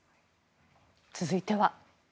続いては。